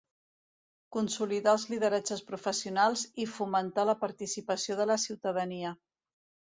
Consolidar els lideratges professionals i fomentar la participació de la ciutadania.